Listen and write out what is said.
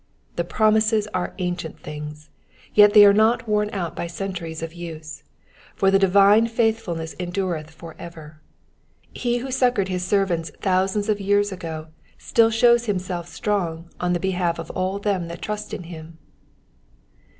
The promises are ancient things, yet they are not worn out by centuries of use, for the divine faithfulness endureth for ever. He who succoured his servants thousands of years ago still shows him self strong on the behalf of all them that trust in him.